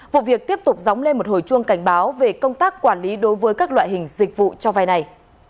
vụ việc tiếp tục dóng lên một hồi chuông cảnh báo về công tác quản lý đối với các loại hình dịch vụ cho vai này